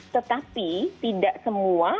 tetapi tidak semua